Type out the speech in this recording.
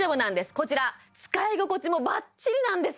こちら使い心地もバッチリなんです